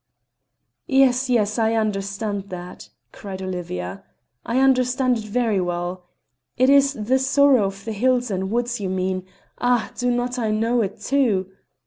"Yes, yes, I understand that," cried Olivia. "I understand it very well. It is the sorrow of the hills and woods you mean; ah! do I not know it, too?